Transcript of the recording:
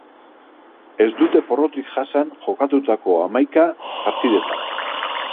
Ez dute porrotik jasan jokatutako hamaika partidetan.